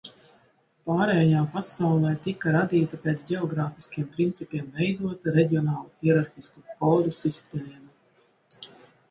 Pārējā pasaulē tika radīta pēc ģeogrāfiskiem principiem veidota reģionālu hierarhisku kodu sistēma.